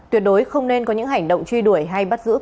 tuyệt đối không nên có những hành động truy đuổi hay bắt giữ